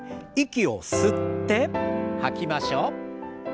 息を吸って吐きましょう。